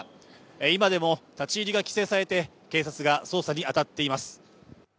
今でも立ち入りが規制されて、警察が捜査に当たっています。